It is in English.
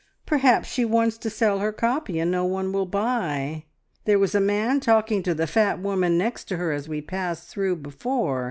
Perhaps she wants to sell her copy, and no one will buy! There was a man talking to the fat woman next to her as we passed through before.